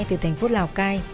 từ thành phố lào cai